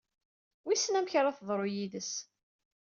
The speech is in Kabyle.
Wissen amek ara teḍru yid-s?